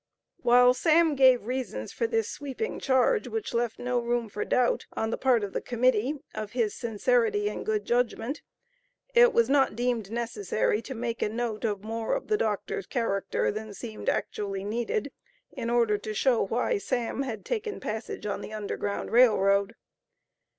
While Sam gave reasons for this sweeping charge, which left no room for doubt, on the part of the Committee, of his sincerity and good judgment, it was not deemed necessary to make a note of more of the doctor's character than seemed actually needed, in order to show why "Sam" had taken passage on the Underground Rail Road.